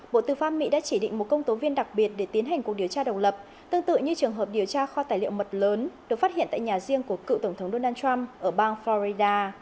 bộ tư pháp mỹ đã chỉ định một công tố viên đặc biệt để tiến hành cuộc điều tra độc lập tương tự như trường hợp điều tra kho tài liệu mật lớn được phát hiện tại nhà riêng của cựu tổng thống donald trump ở bang florida